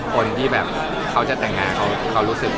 คนที่แบบเขาจะแต่งงานเขารู้สึก